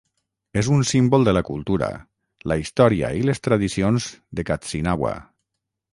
És un símbol de la cultura, la història i les tradicions de "Katsinawa".